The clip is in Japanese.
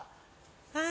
はい。